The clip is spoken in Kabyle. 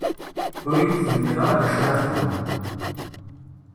Ur iyi-d-temliḍ ara d acu ara xedmeɣ.